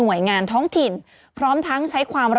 มีสารตั้งต้นเนี่ยคือยาเคเนี่ยใช่ไหมคะ